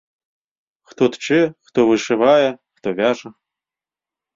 Хто тчэ, хто вышывае, хто вяжа.